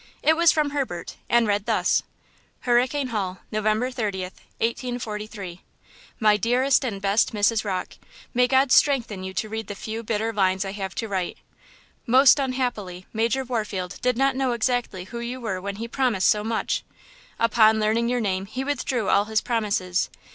It was from Herbert, and read thus: "HURRICANE HALL, Nov. 30th, 1843. "MY DEAREST AND BEST MRS. ROCKE–May God strengthen you to read the few bitter lines I have to write. Most unhappily, Major Warfield did not know exactly who you were when he promised so much. Upon learning your name he withdrew all his promises.